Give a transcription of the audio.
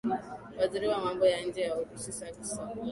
waziri wa mambo ya nje wa urusi sage lavlor